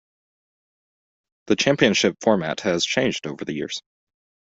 The championship format has changed over the years.